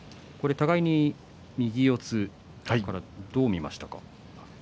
互いに右四つどう見ましたか？